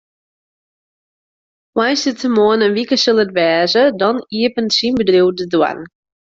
Woansdeitemoarn in wike sil it wêze, dan iepenet syn bedriuw de doarren.